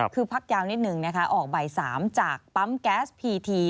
คือพักยาวนิดนึงนะคะออกบ่าย๓จากปั๊มแก๊สพีที